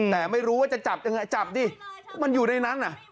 แต่ไม่รู้ว่าจะจับยังไงจับดิมันอยู่ในนั้นน่ะ